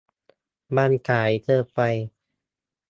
มันสายเกินไป